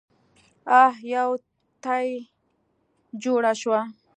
اح يوه تې جوړه شوه.